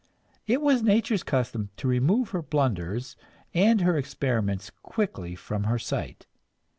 It was nature's custom to remove her blunders and her experiments quickly from her sight.